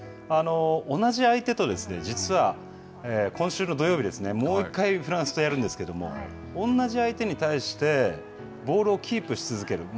同じ相手と実は今週の土曜日、もう１回フランスとやるんですけど、同じ相手に対してボールをキープし続ける。